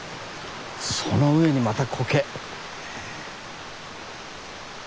その上にまたコケ。